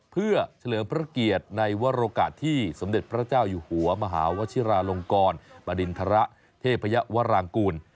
เพื่อเฉลิมพระเกียรติในวรกาสที่สมเด็จพระเจ้าอยู่หัวมหาวชิราลงกรปริณฑระเทพยวรางกูล